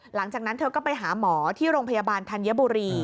หลังจากนั้นเธอก็ไปหาหมอที่โรงพยาบาลธัญบุรี